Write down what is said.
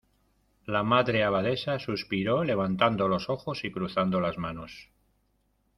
la Madre Abadesa suspiró levantando los ojos y cruzando las manos: